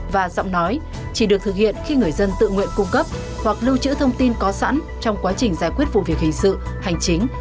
và giọng nói chỉ được thực hiện khi người dân tự nguyện cung cấp hoặc lưu trữ thông tin có sẵn trong quá trình giải quyết vụ việc hình sự hành chính